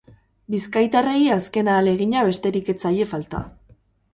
Bizkaitarrei azken ahalegina besterik ez zaie falta.